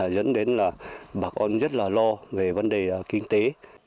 dẫn đến là bà con rất là lo về vấn đề kinh tế